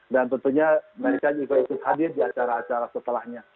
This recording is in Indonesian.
dan tentunya mereka juga hadir di acara acara setelahnya